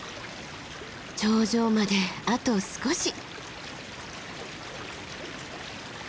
頂上まであと少し。